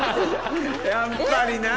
やっぱりな。